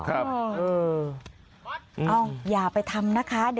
เอออย่าไปทำนะคะ